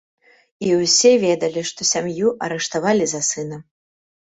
І ўсе ведалі, што сям'ю арыштавалі за сына.